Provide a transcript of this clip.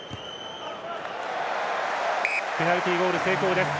ペナルティゴール成功です。